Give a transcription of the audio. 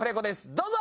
どうぞ！